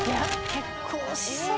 結構しそう。